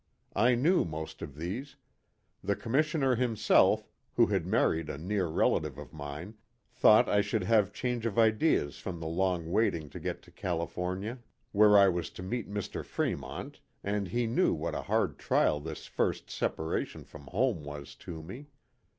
I knew most of these ; the Commissioner himself, who had married a near relative of mine, thought I should have change of ideas from the long waiting to get to Califor nia, where I was to meet Mr. Fremont, and he knew what a hard trial this first separation from home was to me.